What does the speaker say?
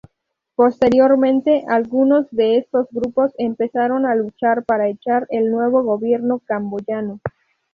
Posteriormente, algunos de estos grupos empezaron a luchar para echar el nuevo gobierno camboyano.